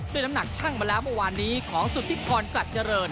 น้ำหนักช่างมาแล้วเมื่อวานนี้ของสุธิพรสัตว์เจริญ